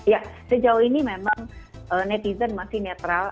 ya sejauh ini memang netizen masih netral